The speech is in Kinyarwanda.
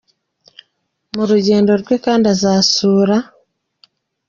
Mu rugendo rwe kandi azasura.